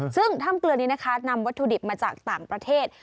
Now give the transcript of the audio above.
ซึ่งถ้ำเกลือนี้นะคะนำวัตถุดิบมาจากต่างประเทศ